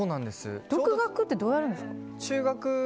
独学ってどうやるんですか？